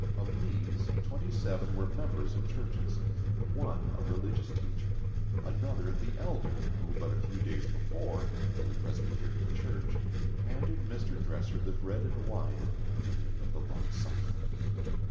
Of these, twenty seven were members of churches; one, a religious teacher; another, the Elder who but a few days before, in the Presbyterian church, handed Mr. Dresser the bread and wine at the communion of the Lord's supper.